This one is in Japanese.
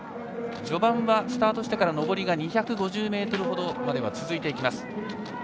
序盤はスタートしてから上りが２５０ｍほどまでは続いていきます。